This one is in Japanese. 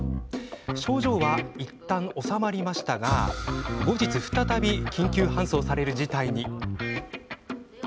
症状はいったん治まりましたが後日、再び緊急搬送される事態に。